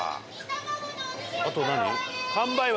あと何？